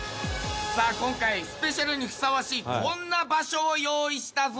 さあ今回スペシャルにふさわしいこんな場所を用意したぞ！